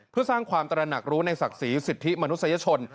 เพื่อสร้างความตระหนักรู้ในศักดิ์ศรีสิทธิมนุษยชน